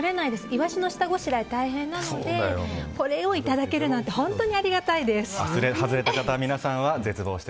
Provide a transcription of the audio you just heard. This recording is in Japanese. イワシの下ごしらえ、大変なのでこれをいただけるなんて外れた方、皆さんはえーん！